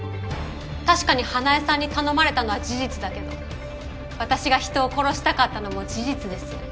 確かに花恵さんに頼まれたのは事実だけど私が人を殺したかったのも事実です。